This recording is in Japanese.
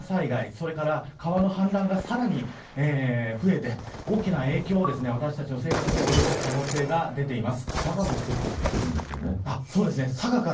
それから、川の氾濫がさらに増えて大きな影響を私たちの影響に生活に及ぼす可能性が出ています。